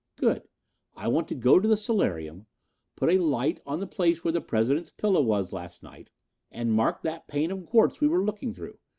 "Good. I want to go to the solarium, put a light on the place where the President's pillow was last night, and mark that pane of quartz we were looking through.